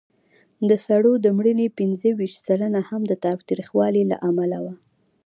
د سړو د مړینې پینځهویشت سلنه هم د تاوتریخوالي له امله وه.